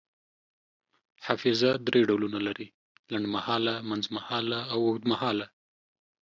حافظه دری ډولونه لري: لنډمهاله، منځمهاله او اوږدمهاله